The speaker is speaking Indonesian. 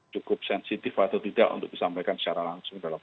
cukup sensitif atau tidak untuk disampaikan secara langsung